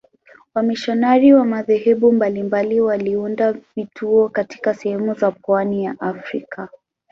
Wamisionari wa madhehebu mbalimbali waliunda vituo katika sehemu za pwani ya Afrika.